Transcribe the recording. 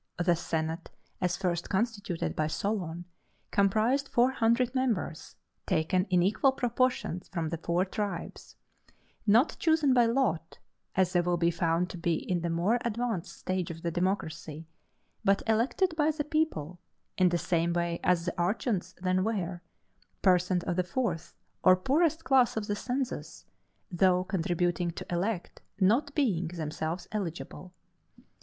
The senate, as first constituted by Solon, comprised four hundred members, taken in equal proportions from the four tribes; not chosen by lot, as they will be found to be in the more advanced stage of the democracy, but elected by the people, in the same way as the archons then were persons of the fourth, or poorest class of the census, though contributing to elect, not being themselves eligible.